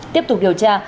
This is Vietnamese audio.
tiếp tục điều tra